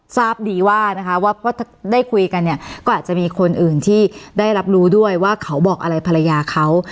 ทราบดีว่านะคะว่าถ้าได้คุยกันเนี่ยก็อาจจะมีคนอื่นที่ได้รับรู้ด้วยว่าเขาบอกอะไรภรรยาเขา